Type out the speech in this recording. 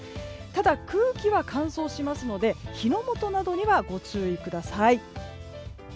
ただ、空気は乾燥しますので火の元などにはご注意ください。